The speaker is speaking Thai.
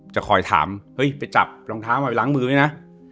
จะคอยถามเฮ้ยไปจับรองเท้ามาไปล้างมือไหมนะ